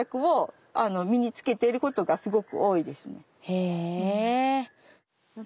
へえ。